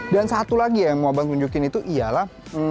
dan satu lagi yang mau abang tunjukin itu iyalah